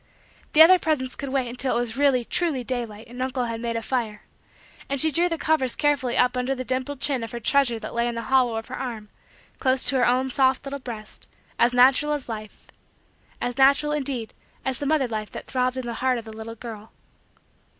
The other presents could wait until it was really, truly, daylight and uncle had made a fire; and she drew the covers carefully up under the dimpled chin of her treasure that lay in the hollow of her arm, close to her own soft little breast, as natural as life as natural, indeed, as the mother life that throbbed in the heart of the little girl.